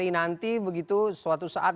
jika suatu hari nanti begitu suatu saat